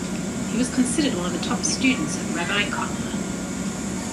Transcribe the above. He was considered one of the top students of Rabbi Kotler.